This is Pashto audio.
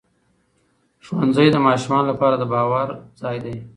ښوونځی د ماشومانو لپاره د باور ځای دی